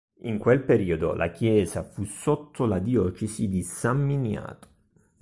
In quel periodo la chiesa fu sotto la Diocesi di San Miniato.